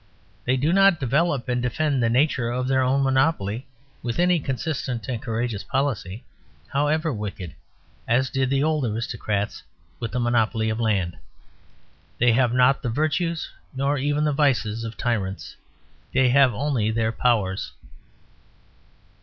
They do not develop and defend the nature of their own monopoly with any consistent and courageous policy, however wicked, as did the old aristocrats with the monopoly of land. They have not the virtues nor even the vices of tyrants; they have only their powers.